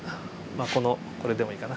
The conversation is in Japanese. まあこのこれでもいいかな。